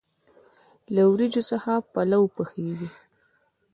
له وریجو څخه پلو پخیږي.